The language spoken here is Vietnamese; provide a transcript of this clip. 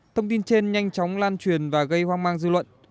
thông tin trên nhanh chóng lan truyền và gây hoang mang dư luận